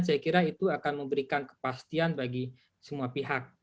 saya kira itu akan memberikan kepastian bagi semua pihak